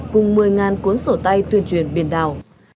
cùng một mươi cuốn sổ tay tuyên truyền biển đảo